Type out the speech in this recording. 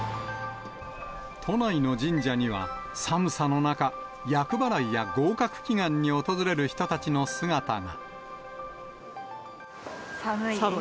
都内の神社には、寒さの中、厄払いや合格祈願に訪れる人たちの姿が。